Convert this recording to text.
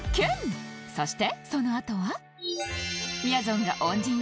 そしてそのあとは